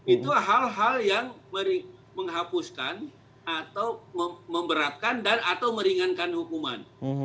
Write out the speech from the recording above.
itu hal hal yang menghapuskan atau memberatkan dan atau meringankan hukuman